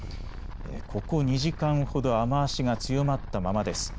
ここ２時間ほど雨足が強まったままです。